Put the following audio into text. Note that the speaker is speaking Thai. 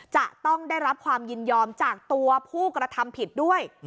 จะต้องได้รับความยินยอมจากตัวผู้กระทำผิดด้วย